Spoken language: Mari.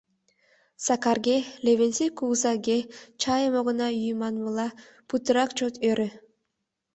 Сакарге, Левентей кугызаге чайым огына йӱ манмыла путырак чот ӧрӧ: